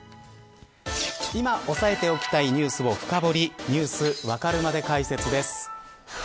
今押さえておきたいニュースを深掘りニュースわかるまで解説です。